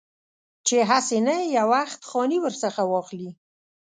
چې هسې نه یو وخت خاني ورڅخه واخلي.